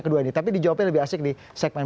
kedua ini tapi dijawabnya lebih asik di segmen